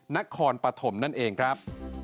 นครปฐมนั่นเองครับ